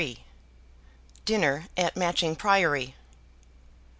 Dinner at Matching Priory.